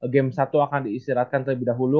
game satu akan diistirahatkan terlebih dahulu